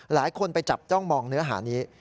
หลายคนไปจับจ้องมองเนื้อหานี้